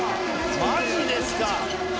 マジですか。